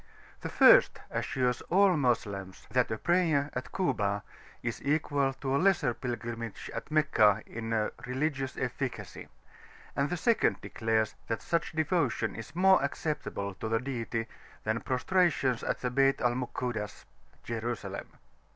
The first assures all Moslems that a prayer at Kuba is equal to a Lesser Pilgrimage at Meccah in religious efficacy; and the second declares that such devotion is more acceptable to the Deity than prostrations at the Bayt al Mukuddas (Jerusalem).